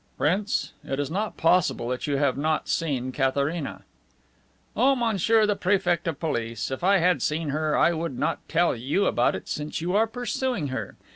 "Prince, it is not possible that you have not seen Katharina." "Oh, Monsieur the Prefect of Police, if I had seen her I would not tell you about it, since you are pursuing her.